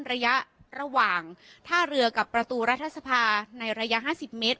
ระยะระหว่างท่าเรือกับประตูรัฐสภาในระยะ๕๐เมตร